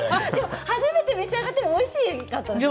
初めて召し上がってもおいしかったですよね。